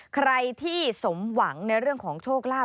ใครที่สมหวังในเรื่องของโชคลาภ